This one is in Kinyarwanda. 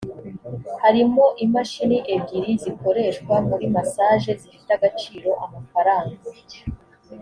harimo imashini ebyiri zikoreshwa muri massage zifite agaciro amafaranga